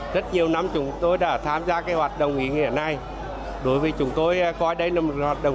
rất nhiều năm chúng tôi đã tham gia cái hoạt động ý nghĩa này đối với chúng tôi coi đây là một hoạt động